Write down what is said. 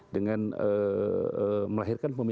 dengan melahirkan pemimpin